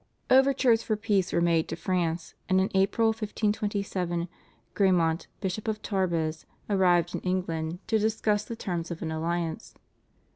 Overtures for peace were made to France, and in April 1527 Grammont, Bishop of Tarbes, arrived in England to discuss the terms of an alliance.